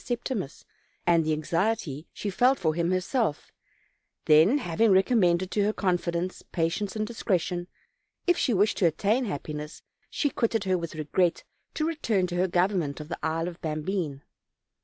Septimus, and the anxiety she felt for him herself; then, having recommended to her confidence, patience, and discretion, if she wished to attain happiness, she quitted her with regret, to return to her government of the Isle of Bambine.